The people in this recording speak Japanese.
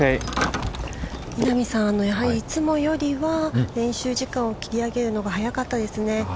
◆稲見さん、いつもよりは練習時間を切り上げるのが早かったですね。